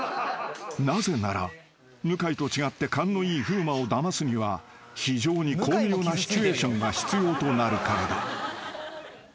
［なぜなら向井と違って勘のいい風磨をだますには非常に巧妙なシチュエーションが必要となるからだ］